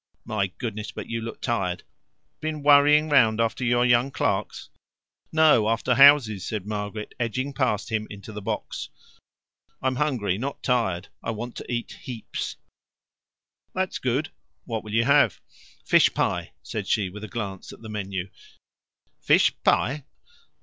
My goodness, but you look tired! Been worrying round after your young clerks?" "No, after houses," said Margaret, edging past him into the box. "I'm hungry, not tired; I want to eat heaps." "That's good. What'll you have?" "Fish pie," said she, with a glance at the menu. "Fish pie!